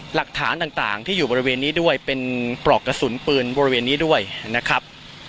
หลักฐานต่างที่อยู่บริเวณนี้ด้วยเป็นปลอกกระสุนปืนบริเวณนี้ด้วยนะครับ